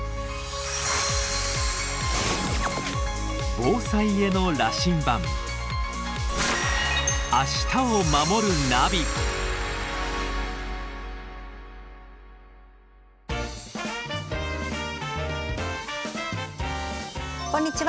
防災への羅針盤こんにちは。